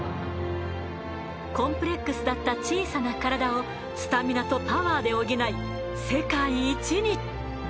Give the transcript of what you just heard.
コンプレックスだった小さな体をスタミナとパワーで補い世界一に。